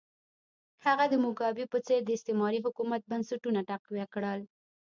هغه د موګابي په څېر د استعماري حکومت بنسټونه تقویه کړل.